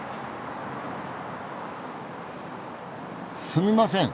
すみません。